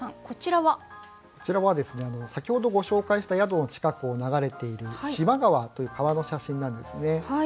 こちらは先ほどご紹介した宿の近くを流れている四万川という川の写真なんですね。